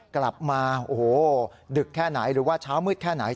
กลับมาโอ้โหดึกแค่ไหนหรือว่าเช้ามืดแค่ไหน